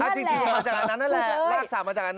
จริงมาจากอันนั้นนั่นแหละลากสระมาจากอันนั้น